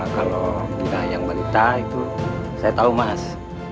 kalau gina yang berita itu saya tau mas